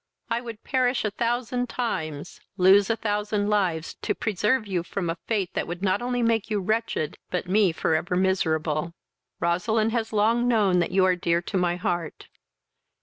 I would perish a thousand times, lose a thousand lives to preserve you from a fate that would not only make you wretched, but me for ever miserable. Roseline has long known that you are dear to my heart.